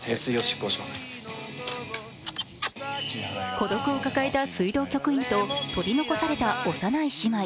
孤独を抱えた水道局員と取り残された幼い姉妹。